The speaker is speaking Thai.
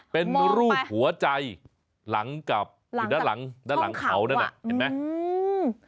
เป็นรูปหัวใจหลังกับอยู่ด้านหลังเขานั่นแหละเห็นไหม